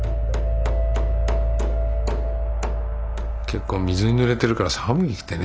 結構水に濡れてるから寒くてね。